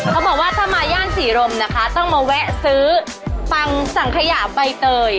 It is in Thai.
เขาบอกว่าถ้ามาย่านศรีรมนะคะต้องมาแวะซื้อปังสังขยะใบเตย